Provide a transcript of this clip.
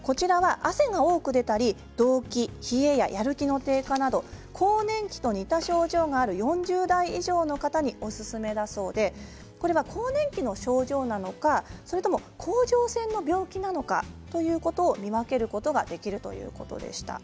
汗が多く出たり、どうき、冷えややる気の低下など更年期と似た症状がある４０代以上の方におすすめだそうでこれは更年期の症状なのかそれとも甲状腺の病気なのかということを見分けることができるということでした。